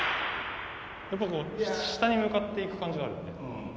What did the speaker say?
やっぱこう下に向かっていく感じはあるよね。